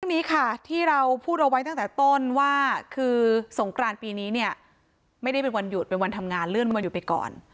เรื่องนี้ค่ะที่เราพูดเอาไว้ตั้งแต่ต้นว่าคือสงกรานปีนี้เนี่ยไม่ได้เป็นวันหยุดเป็นวันทำงานเลื่อนวันหยุดไปก่อน